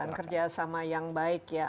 dan kerjasama yang baik ya